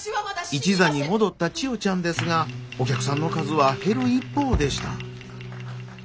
一座に戻った千代ちゃんですがお客さんの数は減る一方でした。